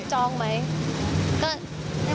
จองไหม